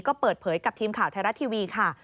ก็เปิดเผยกับทีมข่าวไทยรัฐทีวีค่ะ